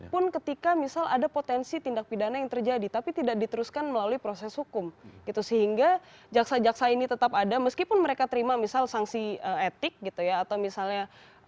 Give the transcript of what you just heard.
pun ketika misal ada potensi tindak pidana yang terjadi tapi tidak diteruskan melalui proses hukum gitu sehingga jaksa jaksa ini tetap ada meskipun mereka terima misal sanksi etik gitu ya atau misalnya